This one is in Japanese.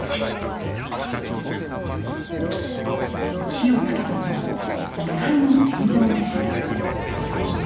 火をつけたのは２階の天井でした。